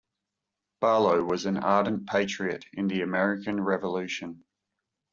Barlow was an ardent patriot in the American Revolution.